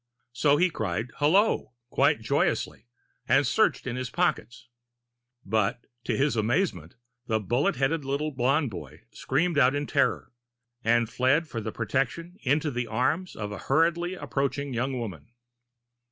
So he cried "Hullo," quite joyously, and searched in his pockets. But, to his amazement, the bullet headed little blond boy screamed out in terror, and fled for protection into the arms of a hurriedly approaching young woman.